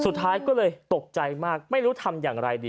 สุดท้ายก็เลยตกใจมากไม่รู้ทำอย่างไรดี